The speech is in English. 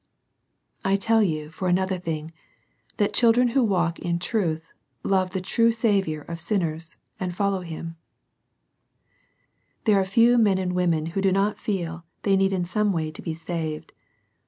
I tell you, for another thing, that children who walk in truth love the true Saviour of sin ners^ and follow Him, There are few men and women who do not feel they need in some way to be saved.